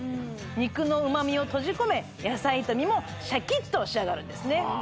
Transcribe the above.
肉の旨みを閉じ込め野菜炒めもシャキッと仕上がるんですね